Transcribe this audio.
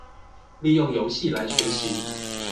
利用遊戲來學習